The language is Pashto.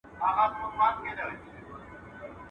o يوه کډه دبلي زړه کاږي.